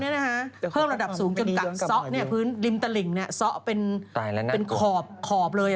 เกี่ยวข้างระดับสูงจนกลับซ๊อเนี่ยพื้นริมตะหลิ่งซ๊อเป็นขอบเลย